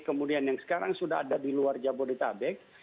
kemudian yang sekarang sudah ada di luar jabodetabek